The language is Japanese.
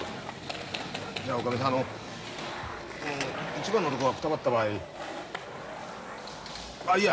じゃあおかみさんあのその１番の男がくたばった場合あっいや